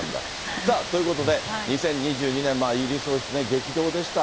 さあ、ということで、２０２２年、イギリス王室、激動でした。